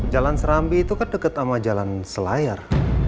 jalan serambi itu kan dekat sama jalan selayar